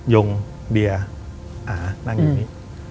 ยงเบียร์อานั่งอยู่นี่